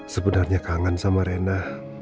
sebenarnya kangen sama rena